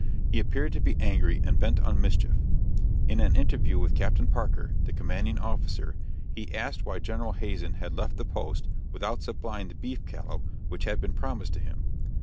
He appeared to be angry and bent on mischief. In an interview with Captain Parker, the commanding officer, he asked why General Hazen had left the post without supplying the beef cattle which had been promised to him.